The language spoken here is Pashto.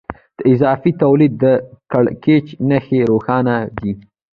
د اضافي تولید د کړکېچ نښې روښانه دي